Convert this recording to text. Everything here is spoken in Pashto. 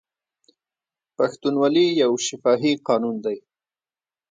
پښتونولي یو شفاهي قانون دی.